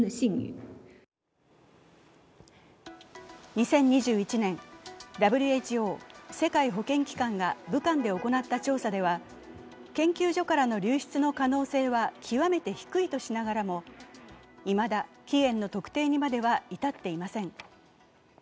２０２１年、ＷＨＯ＝世界保健機関が武漢で行った調査では研究所からの流出の可能性は極めて低いとしながらも、いまだ起源の特定までには至っていません。